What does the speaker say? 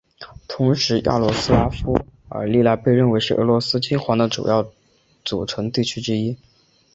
同时雅罗斯拉夫尔历来被认为是俄罗斯金环的主要组成地区之一。